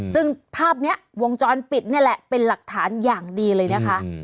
ซึ่งภาพนี้วงจรปิดนี่แหละเป็นหลักฐานอย่างดีเลยนะคะ